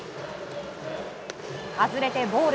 外れてボール。